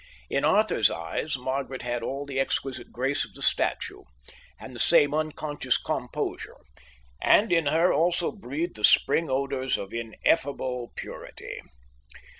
In Arthur's eyes Margaret had all the exquisite grace of the statue, and the same unconscious composure; and in her also breathed the spring odours of ineffable purity.